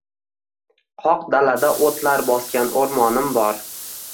Qoq dalada o’tlar bosgan o’rmonim bor.